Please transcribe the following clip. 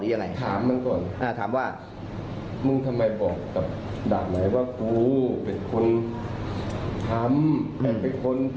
สุดท้ายตำรวจมาควบคุมตัวเนี่ยทำลายหลักฐานหมดแล้วแค่เห็นเท่านั้นแต่ไม่ได้เกี่ยวข้อง